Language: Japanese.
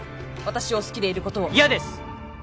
私を好きでいることを嫌です！